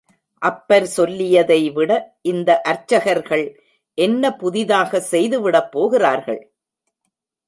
அப்பர் சொல்லியதைவிட, இந்த அர்ச்சகர்கள் என்ன புதிதாகச் செய்துவிடப் போகிறார்கள்?